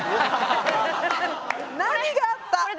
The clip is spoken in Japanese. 何があった！